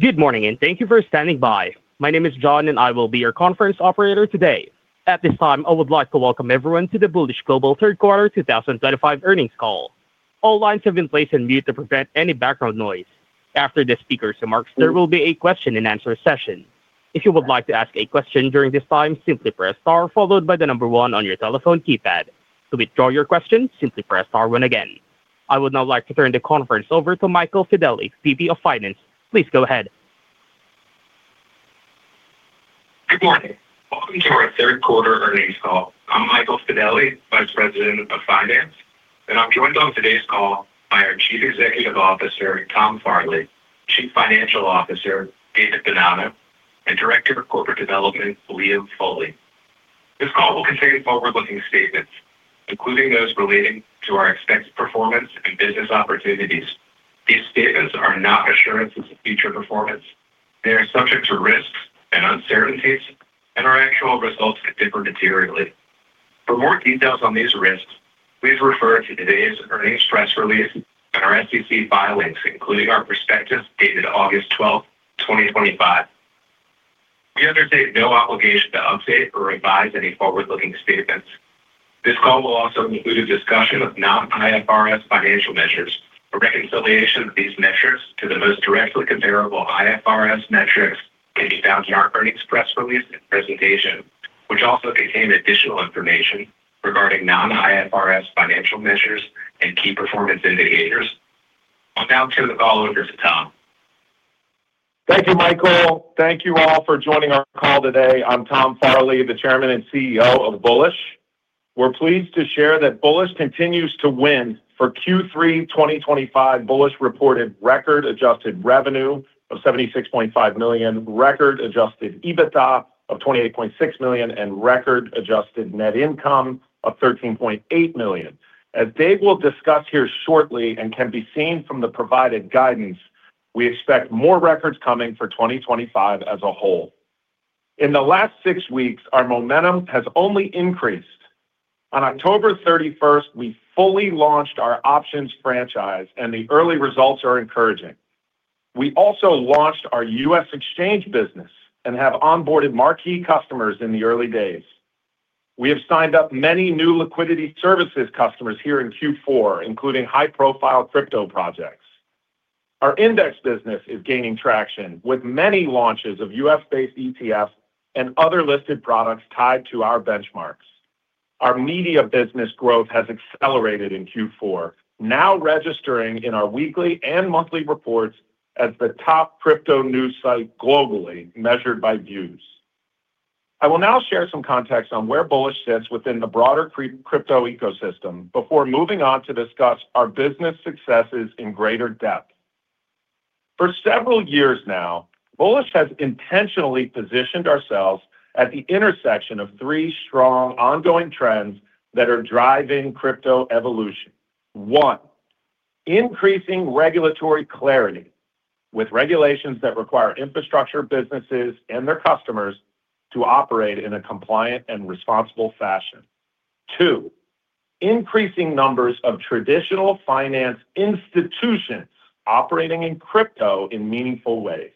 Good morning, and thank you for standing by. My name is John, and I will be your conference operator today. At this time, I would like to welcome everyone to the Bullish Global Q3 2025 earnings call. All lines have been placed on mute to prevent any background noise. After this speaker's remarks, there will be a question-and-answer session. If you would like to ask a question during this time, simply press star followed by the number one on your telephone keypad. To withdraw your question, simply press star one again. I would now like to turn the conference over to Michael Fedele, VP of Finance. Please go ahead. Good morning. Welcome to our Q3 earnings call. I'm Michael Fedele, Vice President of Finance, and I'm joined on today's call by our Chief Executive Officer, Tom Farley, Chief Financial Officer, David Bonanno, and Director of Corporate Development, Liam Foley. This call will contain forward-looking statements, including those relating to our expected performance and business opportunities. These statements are not assurances of future performance. They are subject to risks and uncertainties, and our actual results can differ materially. For more details on these risks, please refer to today's earnings press release and our SEC filings, including our perspectives dated August 12, 2025. We undertake no obligation to update or revise any forward-looking statements. This call will also include a discussion of non-IFRS financial measures. A reconciliation of these measures to the most directly comparable IFRS metrics can be found in our earnings press release and presentation, which also contain additional information regarding non-IFRS financial measures and key performance indicators. I'll now turn the call over to Tom. Thank you, Michael. Thank you all for joining our call today. I'm Tom Farley, the Chairman and CEO of Bullish. We're pleased to share that Bullish continues to win for Q3 2025. Bullish reported record-adjusted revenue of $76.5 million, record-adjusted EBITDA of $28.6 million, and record-adjusted net income of $13.8 million. As Dave will discuss here shortly and can be seen from the provided guidance, we expect more records coming for 2025 as a whole. In the last six weeks, our momentum has only increased. On October 31, we fully launched our options franchise, and the early results are encouraging. We also launched our U.S. exchange business and have onboarded marquee customers in the early days. We have signed up many new liquidity services customers here in Q4, including high-profile crypto projects. Our index business is gaining traction with many launches of U.S.-based ETFs and other listed products tied to our benchmarks. Our media business growth has accelerated in Q4, now registering in our weekly and monthly reports as the top crypto news site globally, measured by views. I will now share some context on where Bullish sits within the broader crypto ecosystem before moving on to discuss our business successes in greater depth. For several years now, Bullish has intentionally positioned ourselves at the intersection of three strong ongoing trends that are driving crypto evolution. One, increasing regulatory clarity with regulations that require infrastructure businesses and their customers to operate in a compliant and responsible fashion. Two, increasing numbers of traditional finance institutions operating in crypto in meaningful ways.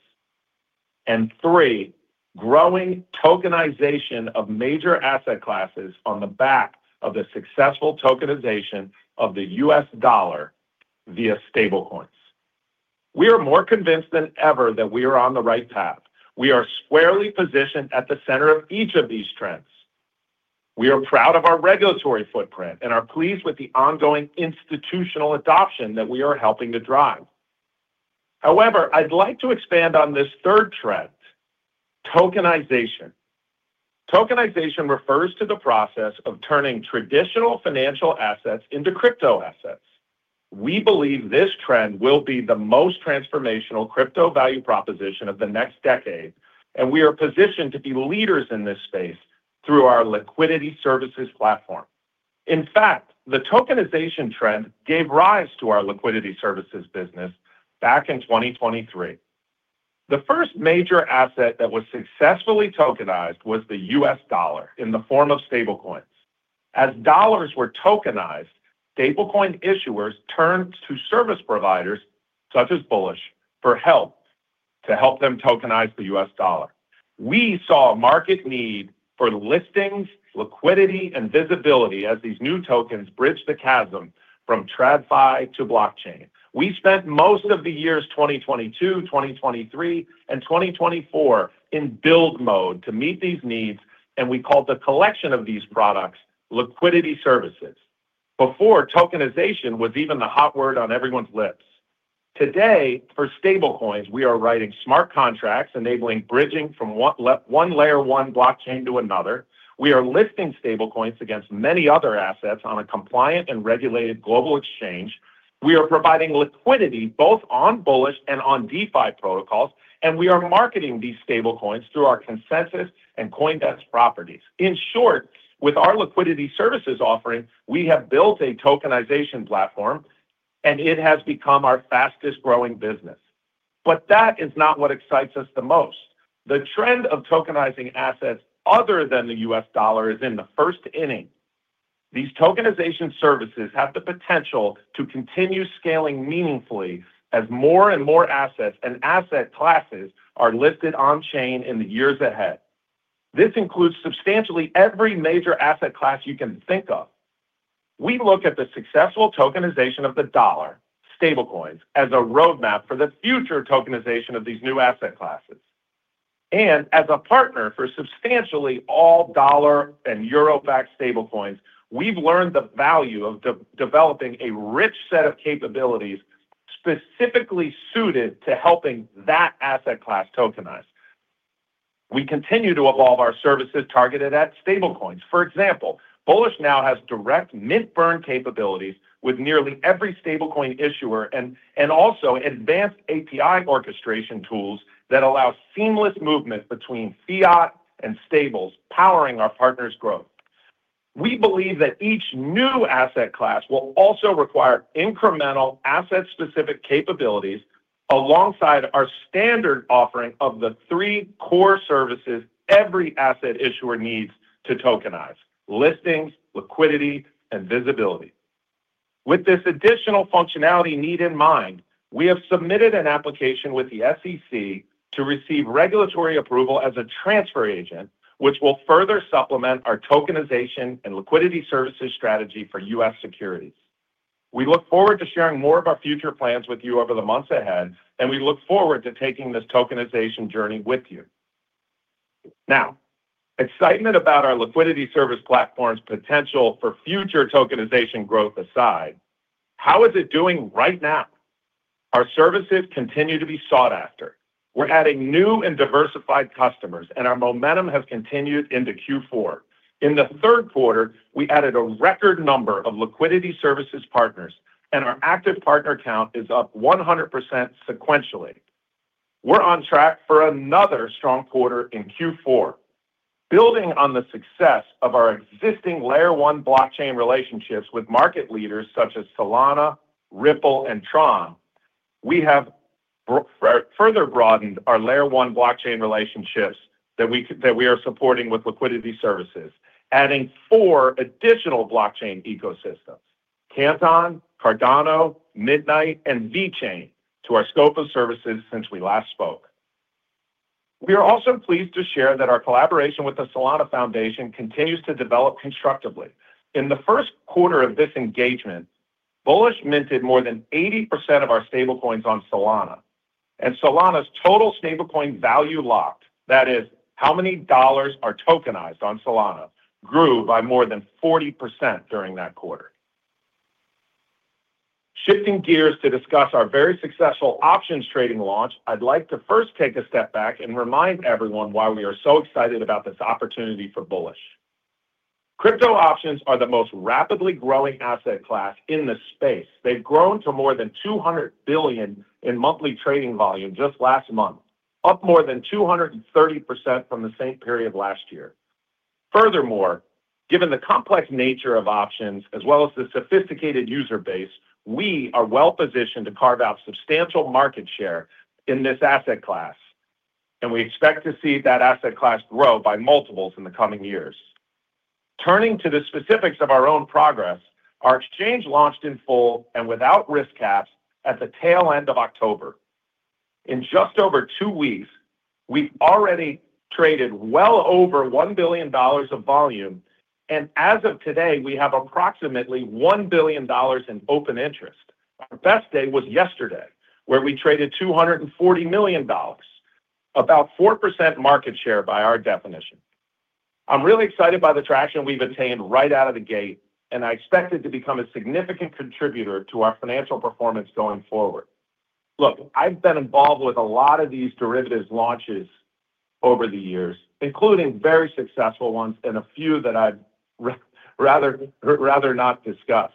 And three, growing tokenization of major asset classes on the back of the successful tokenization of the U.S. dollar via stablecoins. We are more convinced than ever that we are on the right path. We are squarely positioned at the center of each of these trends. We are proud of our regulatory footprint and are pleased with the ongoing institutional adoption that we are helping to drive. However, I'd like to expand on this third trend, tokenization. Tokenization refers to the process of turning traditional financial assets into crypto assets. We believe this trend will be the most transformational crypto value proposition of the next decade, and we are positioned to be leaders in this space through our liquidity services platform. In fact, the tokenization trend gave rise to our liquidity services business back in 2023. The first major asset that was successfully tokenized was the U.S. dollar in the form of stablecoins. As dollars were tokenized, stablecoin issuers turned to service providers such as Bullish for help to help them tokenize the U.S. dollar. We saw a market need for listings, liquidity, and visibility as these new tokens bridged the chasm from TradFi to blockchain. We spent most of the years 2022, 2023, and 2024 in build mode to meet these needs, and we called the collection of these products liquidity services. Before tokenization was even the hot word on everyone's lips. Today, for stablecoins, we are writing smart contracts enabling bridging from one layer 1 blockchain to another. We are listing stablecoins against many other assets on a compliant and regulated global exchange. We are providing liquidity both on Bullish and on DeFi protocols, and we are marketing these stablecoins through our consensus and CoinDesk properties. In short, with our liquidity services offering, we have built a tokenization platform, and it has become our fastest-growing business. That is not what excites us the most. The trend of tokenizing assets other than the U.S. dollar is in the first inning. These tokenization services have the potential to continue scaling meaningfully as more and more assets and asset classes are listed on-chain in the years ahead. This includes substantially every major asset class you can think of. We look at the successful tokenization of the dollar, stablecoins, as a roadmap for the future tokenization of these new asset classes. As a partner for substantially all dollar and euro backed stablecoins, we've learned the value of developing a rich set of capabilities specifically suited to helping that asset class tokenize. We continue to evolve our services targeted at stablecoins. For example, Bullish now has direct mint-burn capabilities with nearly every stablecoin issuer and also advanced API orchestration tools that allow seamless movement between fiat and stables, powering our partner's growth. We believe that each new asset class will also require incremental asset-specific capabilities alongside our standard offering of the three core services every asset issuer needs to tokenize: listings, liquidity, and visibility. With this additional functionality need in mind, we have submitted an application with the SEC to receive regulatory approval as a transfer agent, which will further supplement our tokenization and liquidity services strategy for U.S. securities. We look forward to sharing more of our future plans with you over the months ahead, and we look forward to taking this tokenization journey with you. Now, excitement about our liquidity service platform's potential for future tokenization growth aside, how is it doing right now? Our services continue to be sought after. We're adding new and diversified customers, and our momentum has continued into Q4. In Q3, we added a record number of liquidity services partners, and our active partner count is up 100% sequentially. We're on track for another strong quarter in Q4. Building on the success of our existing layer one blockchain relationships with market leaders such as Solana, Ripple, and Tron, we have further broadened our layer one blockchain relationships that we are supporting with liquidity services, adding four additional blockchain ecosystems: Canton, Cardano, Midnight, and VeChain to our scope of services since we last spoke. We are also pleased to share that our collaboration with the Solana Foundation continues to develop constructively. In the first quarter of this engagement, Bullish minted more than 80% of our stablecoins on Solana, and Solana's total stablecoin value locked, that is, how many dollars are tokenized on Solana, grew by more than 40% during that quarter. Shifting gears to discuss our very successful options trading launch, I'd like to first take a step back and remind everyone why we are so excited about this opportunity for Bullish. Crypto options are the most rapidly growing asset class in the space. They've grown to more than $200 billion in monthly trading volume just last month, up more than 230% from the same period last year. Furthermore, given the complex nature of options as well as the sophisticated user base, we are well positioned to carve out substantial market share in this asset class, and we expect to see that asset class grow by multiples in the coming years. Turning to the specifics of our own progress, our exchange launched in full and without risk caps at the tail end of October. In just over two weeks, we've already traded well over $1 billion of volume, and as of today, we have approximately $1 billion in open interest. Our best day was yesterday, where we traded $240 million, about 4% market share by our definition. I'm really excited by the traction we've attained right out of the gate, and I expect it to become a significant contributor to our financial performance going forward. Look, I've been involved with a lot of these derivatives launches over the years, including very successful ones and a few that I'd rather not discuss.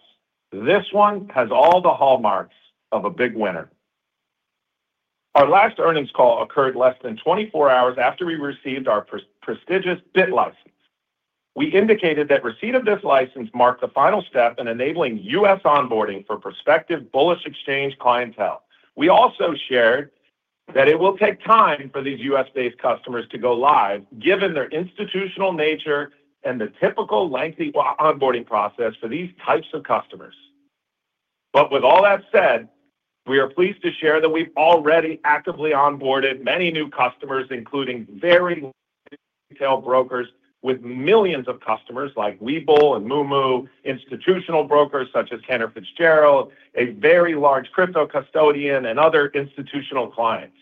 This one has all the hallmarks of a big winner. Our last earnings call occurred less than 24 hours after we received our prestigious BIT License. We indicated that receipt of this license marked the final step in enabling U.S. onboarding for prospective Bullish exchange clientele. We also shared that it will take time for these U.S.-based customers to go live, given their institutional nature and the typical lengthy onboarding process for these types of customers. With all that said, we are pleased to share that we've already actively onboarded many new customers, including very large retail brokers with millions of customers like Webull and Moomoo, institutional brokers such as Cantor Fitzgerald, a very large crypto custodian, and other institutional clients.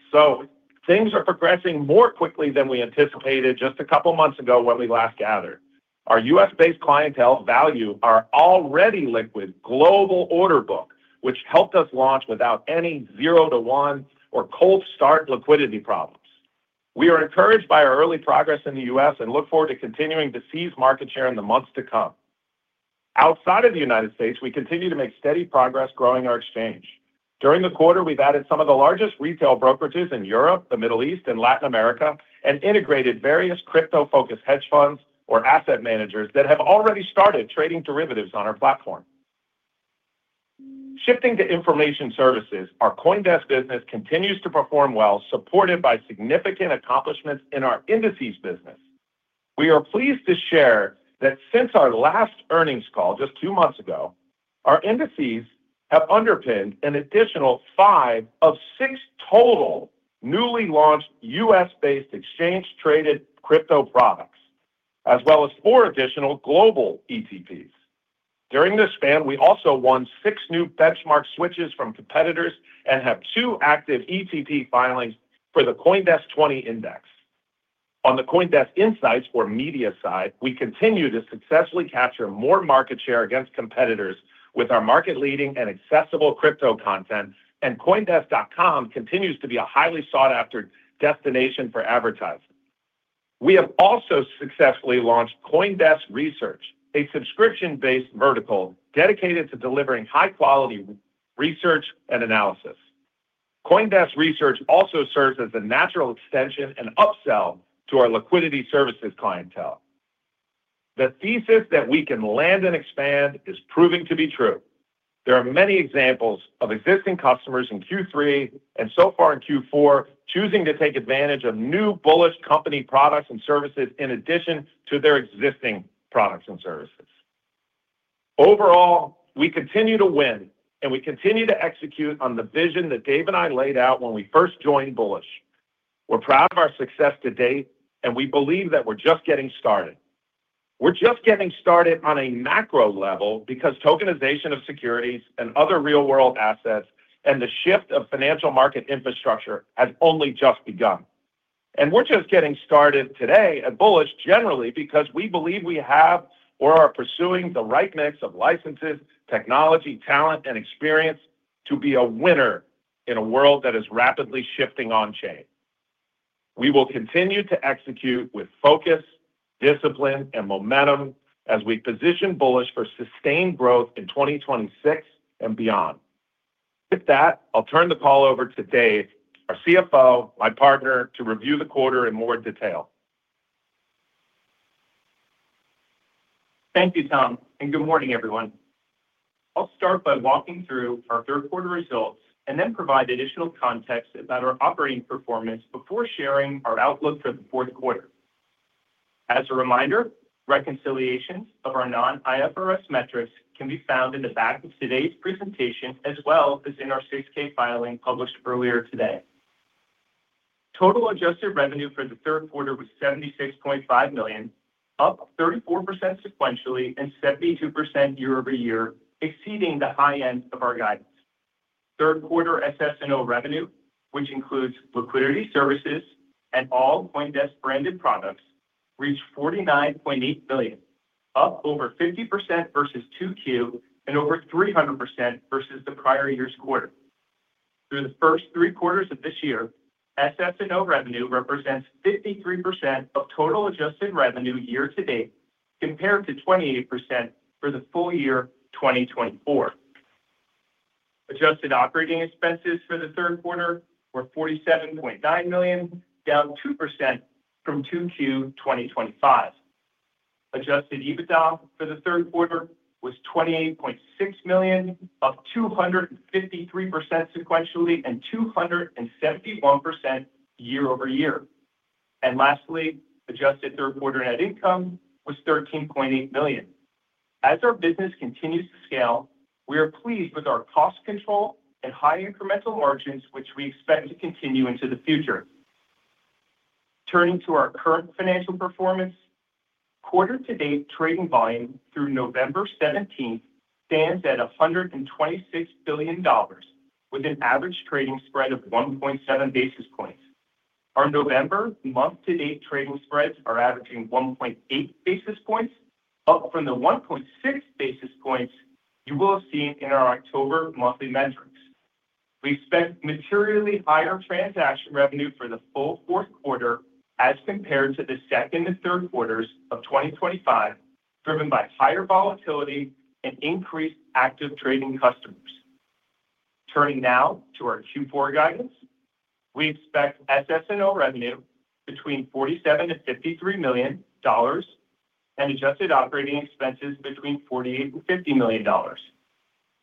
Things are progressing more quickly than we anticipated just a couple of months ago when we last gathered. Our U.S.-based clientele value our already liquid global order book, which helped us launch without any zero-to-one or cold start liquidity problems. We are encouraged by our early progress in the U.S. look forward to continuing to seize market share in the months to come. Outside of the U.S., we continue to make steady progress growing our exchange. During the quarter, we've added some of the largest retail brokerages in Europe, the Middle East, and Latin America, and integrated various crypto-focused hedge funds or asset managers that have already started trading derivatives on our platform. Shifting to information services, our CoinDesk business continues to perform well, supported by significant accomplishments in our indices business. We are pleased to share that since our last earnings call just two months ago, our indices have underpinned an additional five of six total newly launched U.S.-based exchange-traded crypto products, as well as four additional global ETPs. During this span, we also won six new benchmark switches from competitors and have two active ETP filings for the CoinDesk 20 Index. On the CoinDesk Insights or Media side, we continue to successfully capture more market share against competitors with our market-leading and accessible crypto content, and CoinDesk.com continues to be a highly sought-after destination for advertising. We have also successfully launched CoinDesk Research, a subscription-based vertical dedicated to delivering high-quality research and analysis. CoinDesk Research also serves as a natural extension and upsell to our liquidity services clientele. The thesis that we can land and expand is proving to be true. There are many examples of existing customers in Q3 and so far in Q4 choosing to take advantage of new Bullish company products and services in addition to their existing products and services. Overall, we continue to win, and we continue to execute on the vision that Dave and I laid out when we first joined Bullish. We're proud of our success to date, and we believe that we're just getting started. We're just getting started on a macro level because tokenization of securities and other real-world assets and the shift of financial market infrastructure has only just begun. We're just getting started today at Bullish generally because we believe we have or are pursuing the right mix of licenses, technology, talent, and experience to be a winner in a world that is rapidly shifting on-chain. We will continue to execute with focus, discipline, and momentum as we position Bullish for sustained growth in 2026 and beyond. With that, I'll turn the call over to Dave, our CFO, my partner, to review the quarter in more detail. Thank you, Tom, and good morning, everyone. I'll start by walking through our Q3 results and then provide additional context about our operating performance before sharing our outlook for the Q4. As a reminder, reconciliations of our non-IFRS metrics can be found in the back of today's presentation as well as in our 6K filing published earlier today. Total adjusted revenue for the Q3 was $76.5 million, up 34% sequentially and 72% year-over-year, exceeding the high end of our guidance. Q3 SS&O revenue, which includes liquidity services and all CoinDesk-branded products, reached $49.8 million, up over 50% versus Q2 and over 300% versus the prior year's quarter. Through the first three quarters of this year, SS&O revenue represents 53% of total adjusted revenue year-to-date compared to 28% for the full year 2024. Adjusted operating expenses for the Q3 were $47.9 million, down 2% from Q2 2025. Adjusted EBITDA for the Q3 was $28.6 million, up 253% sequentially and 271% year-over-year. Lastly, adjusted Q3 net income was $13.8 million. As our business continues to scale, we are pleased with our cost control and high incremental margins, which we expect to continue into the future. Turning to our current financial performance, Q2-to-date trading volume through November 17 stands at $126 billion, with an average trading spread of 1.7 basis points. Our November month-to-date trading spreads are averaging 1.8 basis points, up from the 1.6 basis points you will have seen in our October monthly metrics. We expect materially higher transaction revenue for the full Q4 as compared to the second and third quarters of 2025, driven by higher volatility and increased active trading customers. Turning now to our Q4 guidance, we expect SS&O revenue between $47 million and $53 million and adjusted operating expenses between $48 million and $50 million.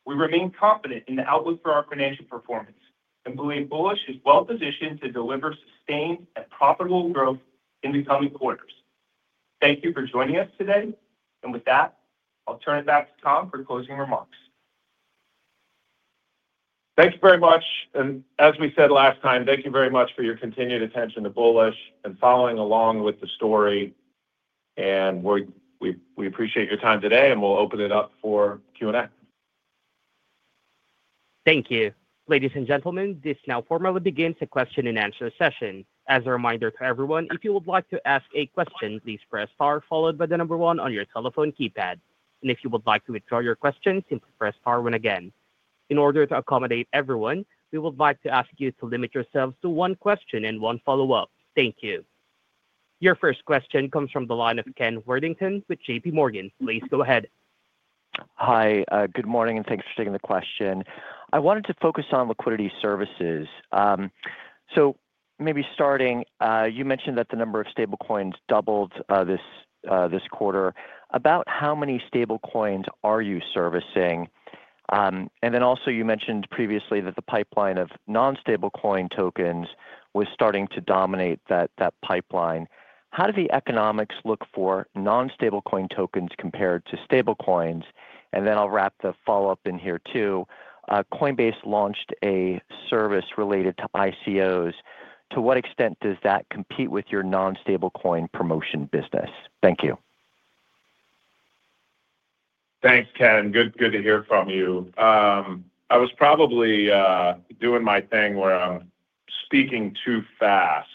We remain confident in the outlook for our financial performance and believe Bullish is well positioned to deliver sustained and profitable growth in the coming quarters. Thank you for joining us today, and with that, I'll turn it back to Tom for closing remarks. Thank you very much, and as we said last time, thank you very much for your continued attention to Bullish and following along with the story. We appreciate your time today, and we'll open it up for Q&A. Thank you. Ladies and gentlemen, this now formally begins the question and answer session. As a reminder to everyone, if you would like to ask a question, please press * followed by the number 1 on your telephone keypad. If you would like to withdraw your question, simply press * when again. In order to accommodate everyone, we would like to ask you to limit yourselves to one question and one follow-up. Thank you. Your first question comes from the line of Ken Worthington with JPMorgan. Please go ahead. Hi, good morning, and thanks for taking the question. I wanted to focus on liquidity services. Maybe starting, you mentioned that the number of stablecoins doubled this quarter. About how many stablecoins are you servicing? You also mentioned previously that the pipeline of non-stablecoin tokens was starting to dominate that pipeline. How do the economics look for non-stablecoin tokens compared to stablecoins? I'll wrap the follow-up in here too. Coinbase launched a service related to ICOs. To what extent does that compete with your non-stablecoin promotion business? Thank you. Thanks, Ken. Good to hear from you. I was probably doing my thing where I'm speaking too fast.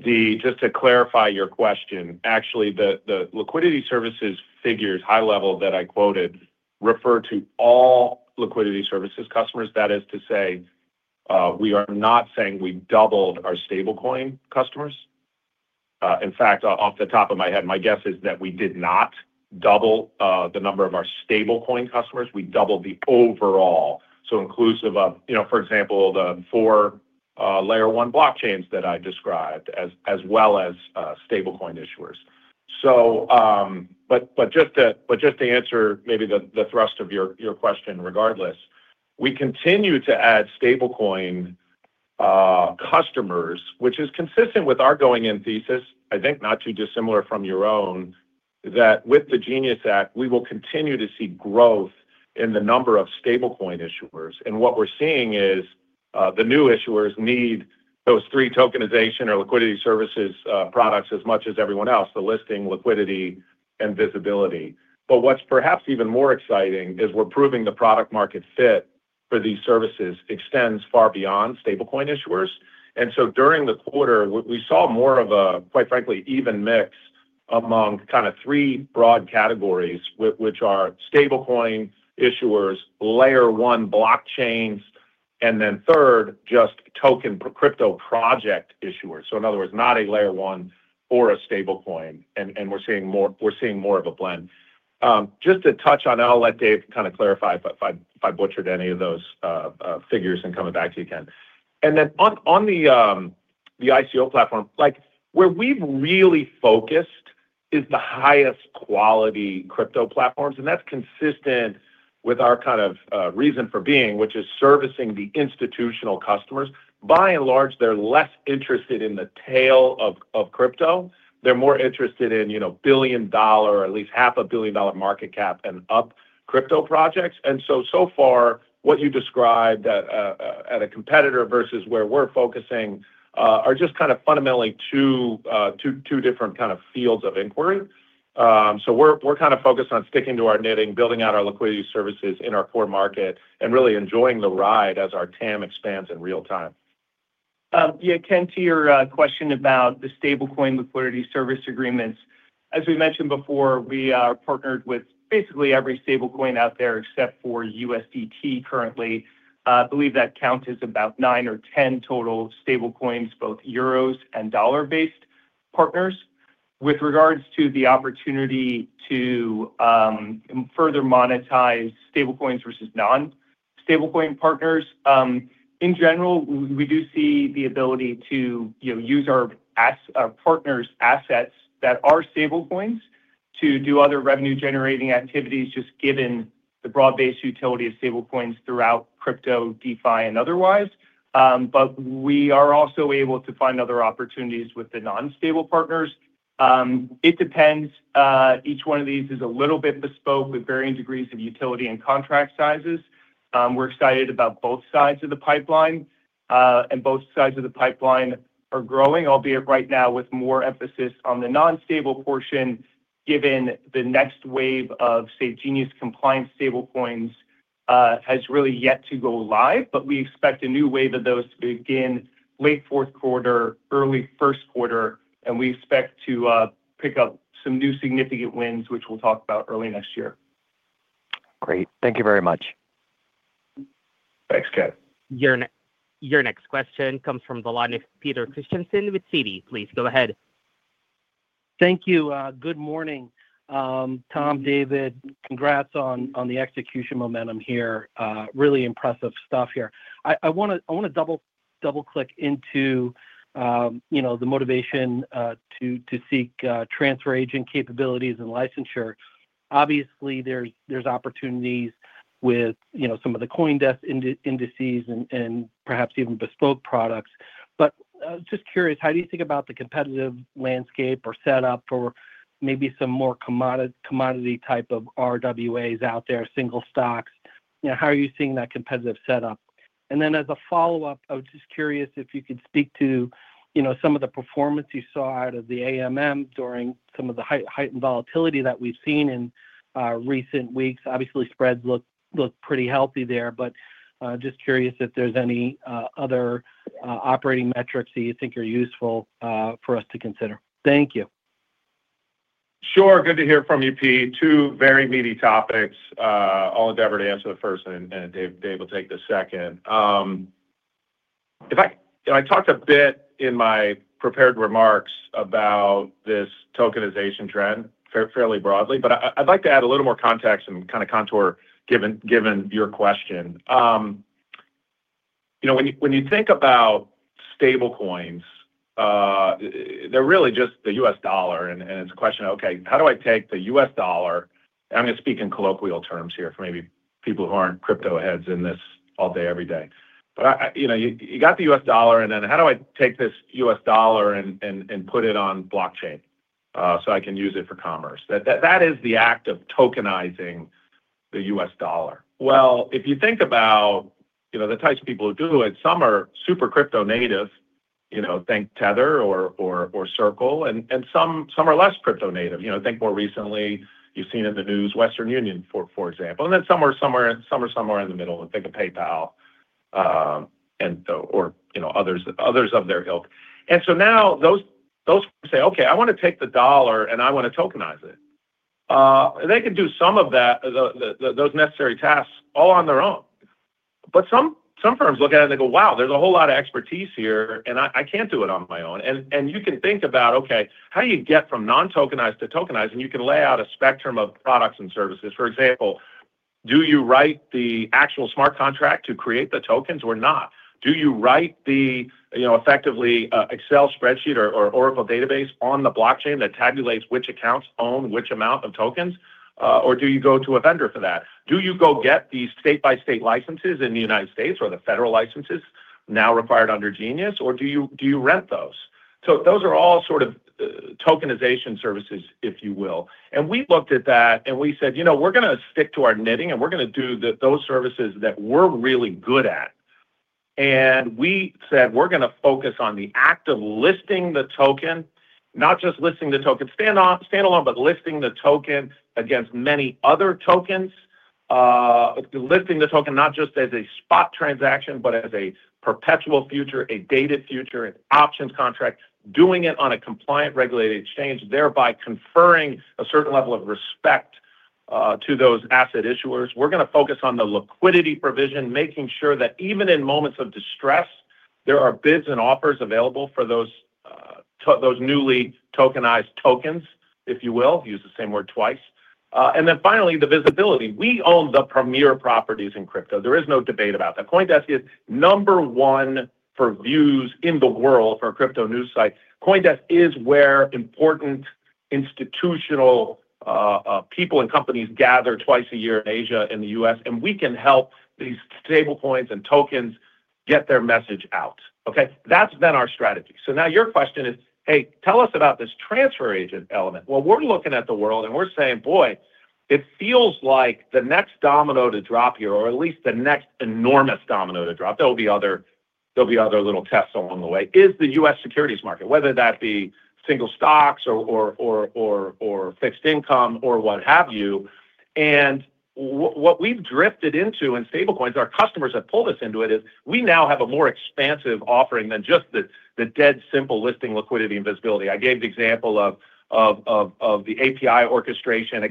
Just to clarify your question, actually, the liquidity services figures high level that I quoted refer to all liquidity services customers. That is to say, we are not saying we doubled our stablecoin customers. In fact, off the top of my head, my guess is that we did not double the number of our stablecoin customers. We doubled the overall, so inclusive of, for example, the four Layer 1 blockchains that I described, as well as stablecoin issuers. Just to answer maybe the thrust of your question regardless, we continue to add stablecoin customers, which is consistent with our going-in thesis, I think not too dissimilar from your own, that with the Genius Act, we will continue to see growth in the number of stablecoin issuers. What we're seeing is the new issuers need those three tokenization or liquidity services products as much as everyone else: the listing, liquidity, and visibility. What's perhaps even more exciting is we're proving the product-market fit for these services extends far beyond stablecoin issuers. During the quarter, we saw more of a, quite frankly, even mix among kind of three broad categories, which are stablecoin issuers, Layer 1 blockchains, and then third, just token crypto project issuers. In other words, not a Layer 1 or a stablecoin, and we're seeing more of a blend. Just to touch on, I'll let Dave kind of clarify if I butchered any of those figures and come back to you, Ken. On the ICO platform, where we've really focused is the highest quality crypto platforms, and that's consistent with our kind of reason for being, which is servicing the institutional customers. By and large, they're less interested in the tail of crypto. They're more interested in billion-dollar, at least $500,000,000 market cap and up crypto projects. What you described at a competitor versus where we're focusing are just kind of fundamentally two different kind of fields of inquiry. We're kind of focused on sticking to our knitting, building out our liquidity services in our core market, and really enjoying the ride as our TAM expands in real time. Yeah, Ken, to your question about the stablecoin liquidity service agreements, as we mentioned before, we are partnered with basically every stablecoin out there except for USDT currently. I believe that counts as about nine or ten total stablecoins, both euros and dollar-based partners. With regards to the opportunity to further monetize stablecoins versus non-stablecoin partners, in general, we do see the ability to use our partners' assets that are stablecoins to do other revenue-generating activities, just given the broad-based utility of stablecoins throughout crypto, DeFi, and otherwise. We are also able to find other opportunities with the non-stable partners. It depends. Each one of these is a little bit bespoke with varying degrees of utility and contract sizes. We're excited about both sides of the pipeline, and both sides of the pipeline are growing, albeit right now with more emphasis on the non-stable portion, given the next wave of, say, Genius compliance stablecoins has really yet to go live. We expect a new wave of those to begin late Q4, early Q1, and we expect to pick up some new significant wins, which we'll talk about early next year. Great. Thank you very much. Thanks, Ken. Your next question comes from the line of Peter Christiansen with Citi. Please go ahead. Thank you. Good morning, Tom, David. Congrats on the execution momentum here. Really impressive stuff here. I want to double-click into the motivation to seek transfer agent capabilities and licensure. Obviously, there's opportunities with some of the CoinDesk indices and perhaps even bespoke products. Just curious, how do you think about the competitive landscape or setup for maybe some more commodity type of RWAs out there, single stocks? How are you seeing that competitive setup? Then as a follow-up, I was just curious if you could speak to some of the performance you saw out of the AMM during some of the heightened volatility that we've seen in recent weeks. Obviously, spreads look pretty healthy there, but just curious if there's any other operating metrics that you think are useful for us to consider. Thank you. Sure. Good to hear from you, Pete. Two very meaty topics. I'll endeavor to answer the first, and Dave will take the second. I talked a bit in my prepared remarks about this tokenization trend fairly broadly, but I'd like to add a little more context and kind of contour given your question. When you think about stablecoins, they're really just the US dollar, and it's a question of, okay, how do I take the US dollar? I'm going to speak in colloquial terms here for maybe people who aren't crypto heads in this all day, every day. You got the US dollar, and then how do I take this US dollar and put it on blockchain so I can use it for commerce? That is the act of tokenizing the US dollar. If you think about the types of people who do it, some are super crypto native, think Tether or Circle, and some are less crypto native. More recently, you've seen in the news Western Union, for example. Some are somewhere in the middle. Think of PayPal or others of their ilk. Now those say, "Okay, I want to take the dollar and I want to tokenize it." They can do some of those necessary tasks all on their own. Some firms look at it and they go, "Wow, there's a whole lot of expertise here, and I can't do it on my own." You can think about, okay, how do you get from non-tokenized to tokenized? You can lay out a spectrum of products and services. For example, do you write the actual smart contract to create the tokens or not? Do you write the effectively Excel spreadsheet or Oracle database on the blockchain that tabulates which accounts own which amount of tokens? Do you go to a vendor for that? Do you go get these state-by-state licenses in the United States or the federal licenses now required under Genius? Do you rent those? Those are all sort of tokenization services, if you will. We looked at that and we said, "We're going to stick to our knitting, and we're going to do those services that we're really good at." We said, "We're going to focus on the act of listing the token, not just listing the token standalone, but listing the token against many other tokens, listing the token not just as a spot transaction, but as a perpetual future, a dated future, an options contract, doing it on a compliant regulated exchange, thereby conferring a certain level of respect to those asset issuers." We are going to focus on the liquidity provision, making sure that even in moments of distress, there are bids and offers available for those newly tokenized tokens, if you will, use the same word twice. Finally, the visibility. We own the premier properties in crypto. There is no debate about that. CoinDesk is number one for views in the world for a crypto news site. CoinDesk is where important institutional people and companies gather twice a year in Asia and the U.S., and we can help these stablecoins and tokens get their message out. Okay? That has been our strategy. Now your question is, "Hey, tell us about this transfer agent element." We are looking at the world and we are saying, "Boy, it feels like the next domino to drop here, or at least the next enormous domino to drop." There will be other little tests along the way. Is the U.S. securities market, whether that be single stocks or fixed income or what have you? What we have drifted into in stablecoins, our customers have pulled us into it, is we now have a more expansive offering than just the dead simple listing, liquidity, and visibility. I gave the example of the API orchestration. I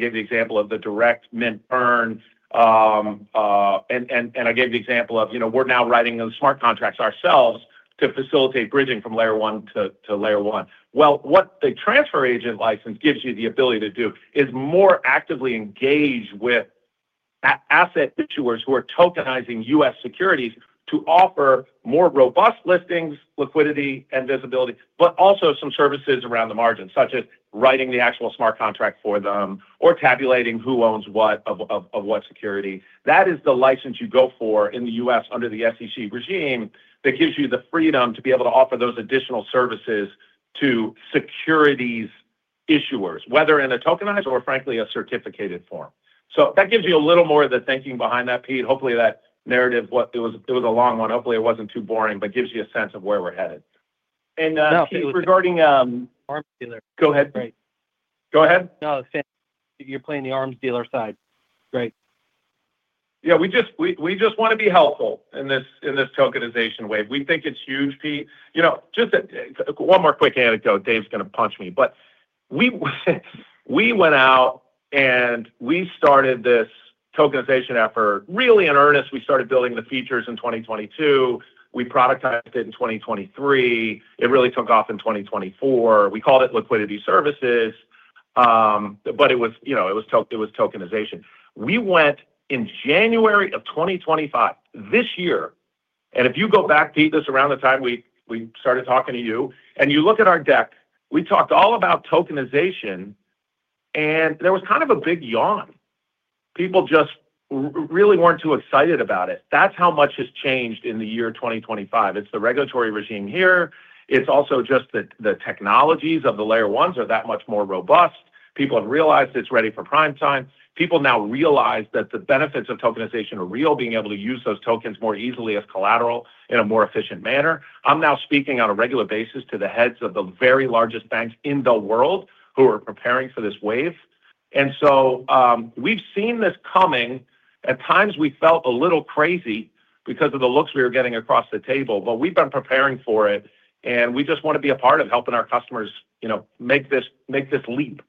gave the example of the direct mint earn, and I gave the example of we're now writing those smart contracts ourselves to facilitate bridging from Layer 1 to Layer 1. What the transfer agent license gives you the ability to do is more actively engage with asset issuers who are tokenizing US securities to offer more robust listings, liquidity, and visibility, but also some services around the margin, such as writing the actual smart contract for them or tabulating who owns what of what security. That is the license you go for in the US under the SEC regime that gives you the freedom to be able to offer those additional services to securities issuers, whether in a tokenized or, frankly, a certificated form. That gives you a little more of the thinking behind that, Pete. Hopefully, that narrative, it was a long one. Hopefully, it was not too boring, but gives you a sense of where we are headed. And Pete. Now, Pete, regarding. Arms dealer. Go ahead. Go ahead. No, Sam. You are playing the arms dealer side. Great. Yeah. We just want to be helpful in this tokenization wave. We think it is huge, Pete. Just one more quick anecdote. Dave is going to punch me. But we went out and we started this tokenization effort. Really, in earnest, we started building the features in 2022. We productized it in 2023. It really took off in 2024. We called it liquidity services, but it was tokenization. We went in January of 2025, this year. If you go back, Pete, this is around the time we started talking to you, and you look at our deck, we talked all about tokenization, and there was kind of a big yawn. People just really were not too excited about it. That is how much has changed in the year 2025. It is the regulatory regime here. It is also just that the technologies of the Layer 1s are that much more robust. People have realized it is ready for prime time. People now realize that the benefits of tokenization are real, being able to use those tokens more easily as collateral in a more efficient manner. I am now speaking on a regular basis to the heads of the very largest banks in the world who are preparing for this wave. We have seen this coming. At times, we felt a little crazy because of the looks we were getting across the table, but we've been preparing for it, and we just want to be a part of helping our customers make this leap.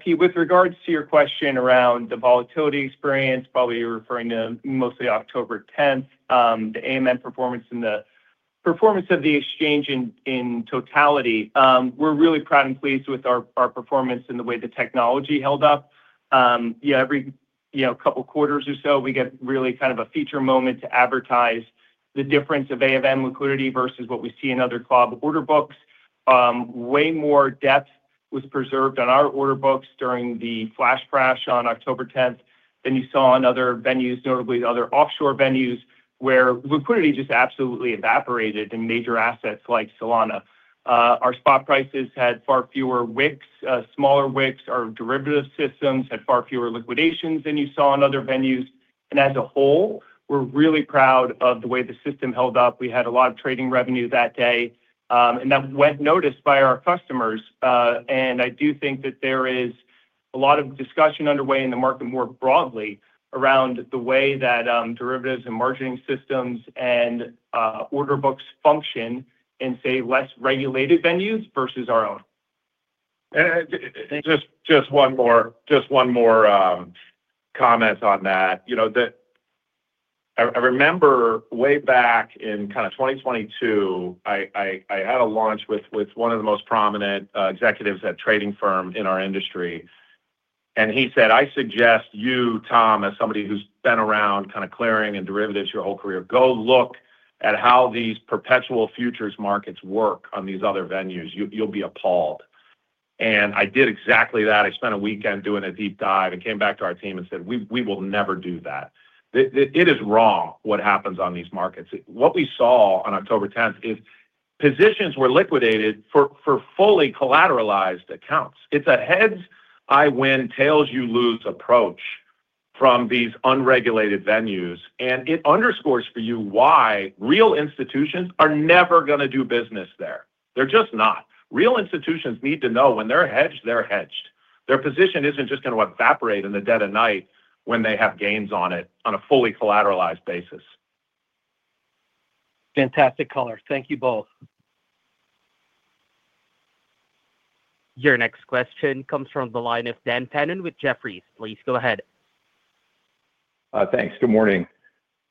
Pete, with regards to your question around the volatility experience, probably you're referring to mostly October 10th, the AMM performance and the performance of the exchange in totality, we're really proud and pleased with our performance and the way the technology held up. Every couple of quarters or so, we get really kind of a feature moment to advertise the difference of AMM liquidity versus what we see in other club order books. Way more depth was preserved on our order books during the flash crash on October 10th than you saw in other venues, notably other offshore venues, where liquidity just absolutely evaporated in major assets like Solana. Our spot prices had far fewer wicks, smaller wicks, our derivative systems had far fewer liquidations than you saw in other venues. As a whole, we're really proud of the way the system held up. We had a lot of trading revenue that day, and that went noticed by our customers. I do think that there is a lot of discussion underway in the market more broadly around the way that derivatives and marketing systems and order books function in, say, less regulated venues versus our own. Just one more comment on that. I remember way back in kind of 2022, I had a launch with one of the most prominent executives at a trading firm in our industry. He said, "I suggest you, Tom, as somebody who's been around kind of clearing and derivatives your whole career, go look at how these perpetual futures markets work on these other venues. You'll be appalled." I did exactly that. I spent a weekend doing a deep dive and came back to our team and said, "We will never do that." It is wrong what happens on these markets. What we saw on October 10th is positions were liquidated for fully collateralized accounts. It's a heads I win, tails you lose approach from these unregulated venues. It underscores for you why real institutions are never going to do business there. They're just not. Real institutions need to know when they're hedged, they're hedged. Their position isn't just going to evaporate in the dead of night when they have gains on it on a fully collateralized basis. Fantastic color. Thank you both. Your next question comes from the line of Dan Fannon with Jefferies. Please go ahead. Thanks. Good morning.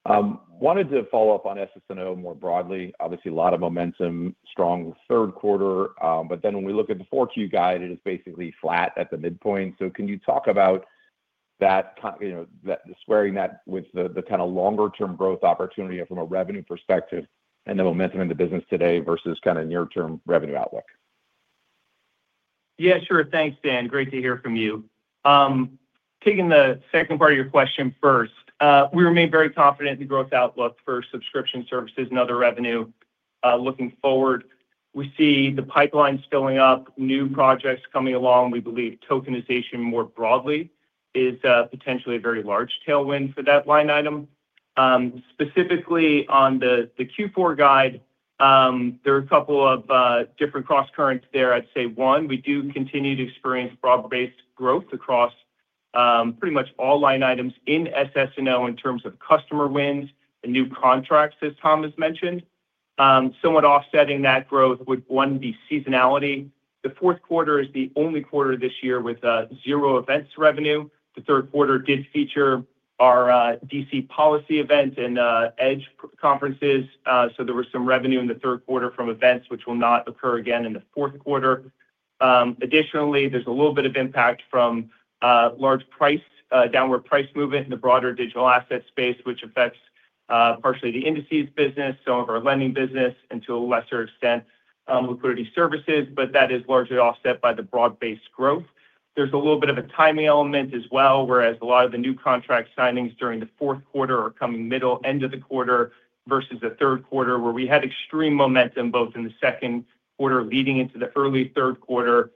Wanted to follow up on SS&O more broadly. Obviously, a lot of momentum, strong third quarter. When we look at the four-Q guide, it is basically flat at the midpoint. Can you talk about that, squaring that with the kind of longer-term growth opportunity from a revenue perspective and the momentum in the business today versus kind of near-term revenue outlook? Yeah, sure. Thanks, Dan. Great to hear from you. Taking the second part of your question first, we remain very confident in the growth outlook for subscription services and other revenue looking forward. We see the pipelines filling up, new projects coming along. We believe tokenization more broadly is potentially a very large tailwind for that line item. Specifically on the Q4 guide, there are a couple of different cross-currents there. I'd say one, we do continue to experience broad-based growth across pretty much all line items in SS&O in terms of customer wins and new contracts, as Tom has mentioned. Somewhat offsetting that growth would, one, be seasonality. The fourth quarter is the only quarter this year with zero events revenue. The third quarter did feature our DC policy event and edge conferences. There was some revenue in the third quarter from events, which will not occur again in the fourth quarter. Additionally, there's a little bit of impact from large downward price movement in the broader digital asset space, which affects partially the indices business, some of our lending business, and to a lesser extent, liquidity services, but that is largely offset by the broad-based growth. There's a little bit of a timing element as well, whereas a lot of the new contract signings during the fourth quarter are coming middle, end of the quarter versus the third quarter, where we had extreme momentum both in the second quarter leading into the early third quarter.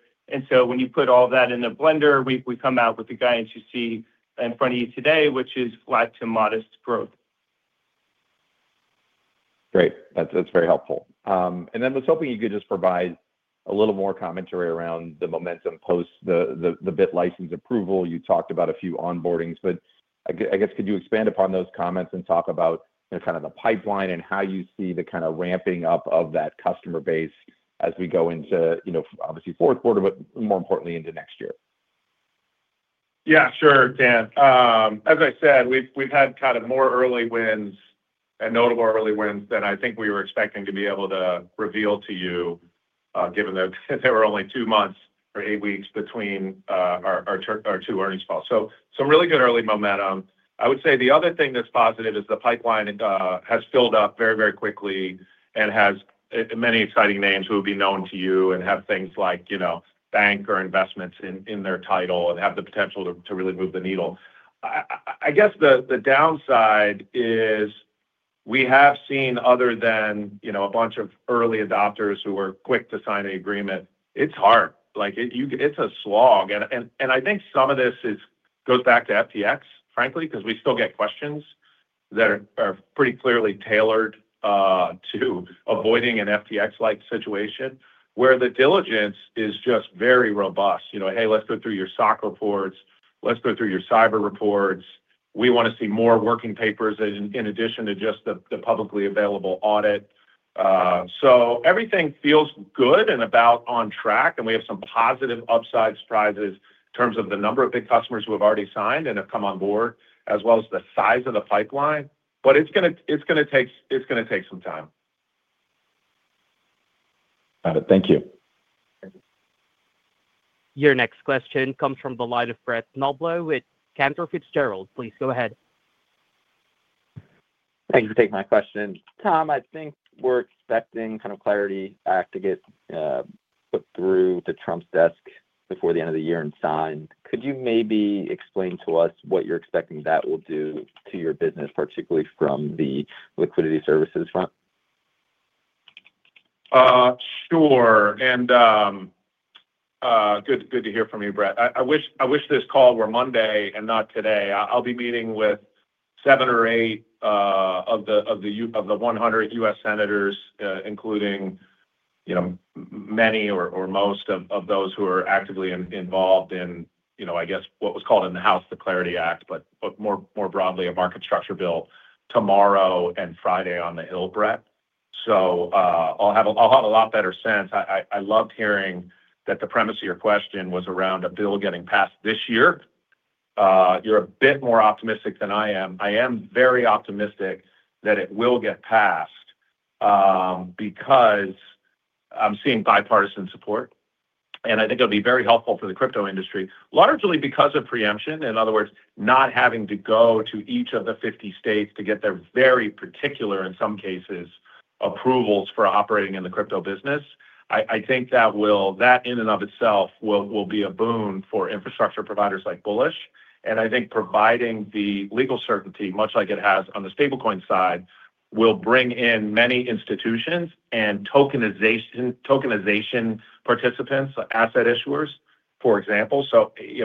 When you put all that in a blender, we come out with the guidance you see in front of you today, which is flat to modest growth. Great. That's very helpful. I was hoping you could just provide a little more commentary around the momentum post the BIT License approval. You talked about a few onboardings, but I guess could you expand upon those comments and talk about kind of the pipeline and how you see the kind of ramping up of that customer base as we go into, obviously, fourth quarter, but more importantly, into next year? Yeah, sure, Dan. As I said, we've had kind of more early wins and notable early wins than I think we were expecting to be able to reveal to you, given that there were only two months or eight weeks between our two earnings calls. Some really good early momentum. I would say the other thing that's positive is the pipeline has filled up very, very quickly and has many exciting names who will be known to you and have things like bank or investments in their title and have the potential to really move the needle. I guess the downside is we have seen, other than a bunch of early adopters who were quick to sign an agreement, it's hard. It's a slog. I think some of this goes back to FTX, frankly, because we still get questions that are pretty clearly tailored to avoiding an FTX-like situation, where the diligence is just very robust. "Hey, let's go through your SOC reports. Let's go through your cyber reports. We want to see more working papers in addition to just the publicly available audit." Everything feels good and about on track, and we have some positive upside surprises in terms of the number of big customers who have already signed and have come on board, as well as the size of the pipeline. It is going to take some time. Got it. Thank you. Your next question comes from the line of Brett Knoblauch with Cantor Fitzgerald. Please go ahead. Thanks for taking my question. Tom, I think we're expecting kind of Clarity Act to get put through to Trump's desk before the end of the year and signed. Could you maybe explain to us what you're expecting that will do to your business, particularly from the liquidity services front? Sure. Good to hear from you, Brett. I wish this call were Monday and not today. I'll be meeting with seven or eight of the 100 U.S. senators, including many or most of those who are actively involved in, I guess, what was called in the House, the Clarity Act, but more broadly, a market structure bill tomorrow and Friday on the Hill, Brett. I'll have a lot better sense. I loved hearing that the premise of your question was around a bill getting passed this year. You're a bit more optimistic than I am. I am very optimistic that it will get passed because I'm seeing bipartisan support. I think it'll be very helpful for the crypto industry, largely because of preemption. In other words, not having to go to each of the 50 states to get their very particular, in some cases, approvals for operating in the crypto business. I think that in and of itself will be a boon for infrastructure providers like Bullish. I think providing the legal certainty, much like it has on the stablecoin side, will bring in many institutions and tokenization participants, asset issuers, for example.